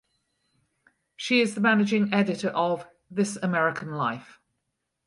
She is the managing editor of "This American Life".